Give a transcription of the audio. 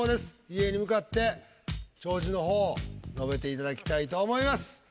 遺影に向かって弔辞のほう述べていただきたいと思います。